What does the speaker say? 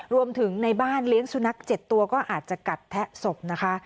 รวมถึงในบ้านเลี้ยงสุนัข๗ตัวก็อาจจะกัดแทะศพนะคะ